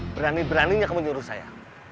berani beraninya kamu nyuruh saya